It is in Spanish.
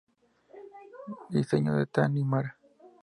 Diseño de Thani Mara.